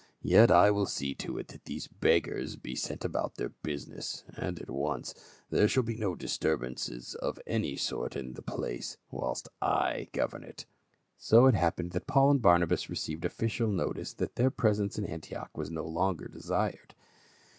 Yet I will see to it that these beggars be sent about their business — and at once ; there shall be no disturbances of any sort in the place, whilst I govern it." So it happened that Paul and Barnabas received official notice that their presence in Antioch was no longer desired.